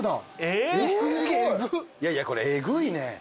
いやいやこれえぐいね。